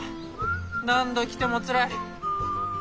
何度来てもつらい。